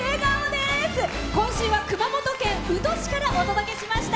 今週は熊本県宇土市からお届けしました。